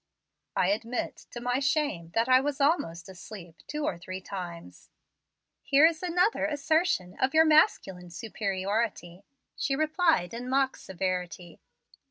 "I admit, to my shame, that I was almost asleep two or three times." "Here is another assertion of your masculine superiority," she replied, in mock severity.